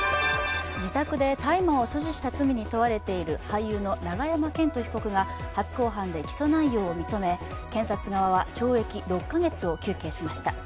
自宅で大麻を所持した罪に問われている俳優の永山絢斗被告が初公判で起訴内容を認め検察側は懲役６か月を求刑しました。